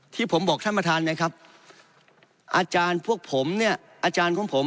ที่ผมบอกท่านประธานนะครับอาจารย์พวกผมเนี่ยอาจารย์ของผม